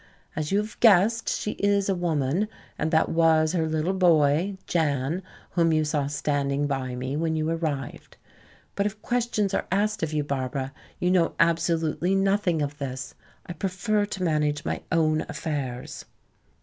As you have guessed, she is a woman, and that was her little boy, Jan, whom you saw standing by me when you arrived. But if questions are asked of you, Barbara, you know absolutely nothing of this. I prefer to manage my own affairs."